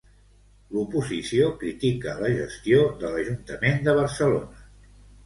L'oposició critica la gestió de l'Ajuntament de Barcelona.